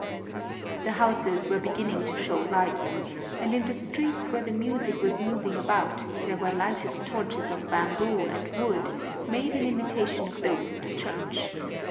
The houses were beginning to show lights, and in the streets where the music was moving about there were lighted torches of bamboo and wood made in imitation of those in the church.